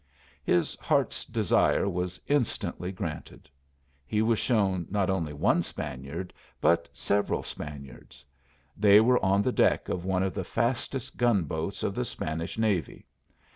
His heart's desire was instantly granted. He was shown not only one Spaniard, but several Spaniards. They were on the deck of one of the fastest gun boats of the Spanish navy.